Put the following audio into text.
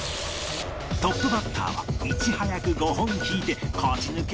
トップバッターはいち早く５本引いて勝ち抜けを狙う長谷川